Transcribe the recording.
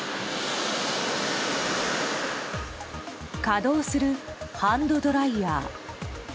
稼働するハンドドライヤー。